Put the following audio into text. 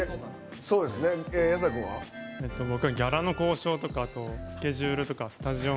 僕はギャラの交渉とかスケジュールとかスタジオ。